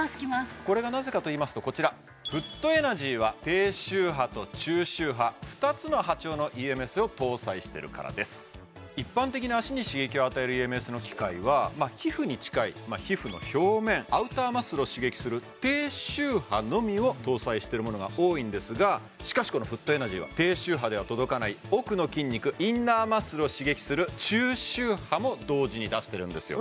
これがなぜかといいますとこちらフットエナジーは低周波と中周波２つの波長のＥＭＳを搭載してるからです一般的な脚に刺激を与えるＥＭＳの機械は皮膚に近いまあ皮膚の表面アウターマッスルを刺激する低周波のみを搭載しているものが多いんですがしかしこのフットエナジーは低周波では届かない奥の筋肉インナーマッスルを刺激する中周波も同時に出してるんですよ